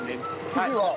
次は。